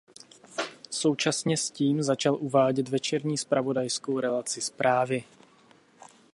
Současně s tím začal uvádět večerní zpravodajskou relaci Zprávy.